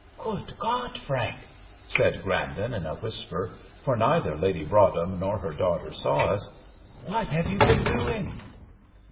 "Good God! Frank," said Grandon, in a whisper, for neither Lady Broadhem nor her daughter saw us, "what have you been doing?"